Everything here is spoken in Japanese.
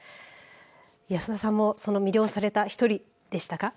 保田さんもその魅了された１人でしたか。